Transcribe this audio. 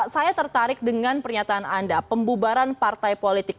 saya tertarik dengan pernyataan anda pembubaran partai politik